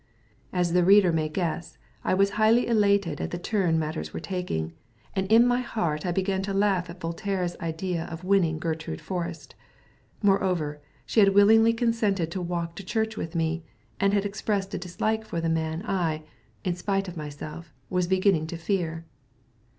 As the reader may guess, I was highly elated at the turn matters were taking, and in my heart I began to laugh at Voltaire's idea of winning Gertrude Forrest. Moreover, she had willingly consented to walk to church with me, and had expressed a dislike for the man I, in spite of myself, was beginning to fear.